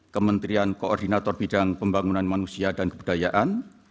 kementerian koordinator bidang pembangunan manusia dan kebudayaan